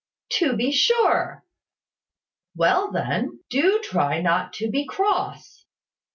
"To be sure." "Well, then, do try not to be cross."